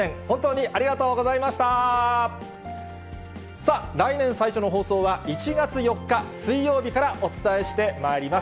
さあ、来年最初の放送は、１月４日水曜日からお伝えしてまいります。